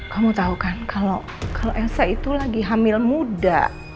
kamu tahu kan kalau elsa itu lagi hamil muda